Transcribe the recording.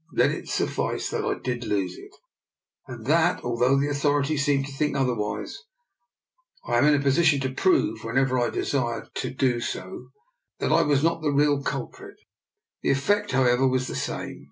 Let it suffice that I did lose it, and that, although the authorities seemed to think otherwise, I am in a position to prove, when ever I desire to do so, that I was not the real culprit. The effect, however, was the same.